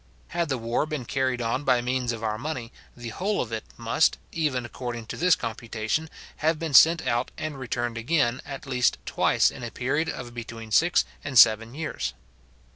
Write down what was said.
Had the war been carried on by means of our money, the whole of it must, even according to this computation, have been sent out and returned again, at least twice in a period of between six and seven years.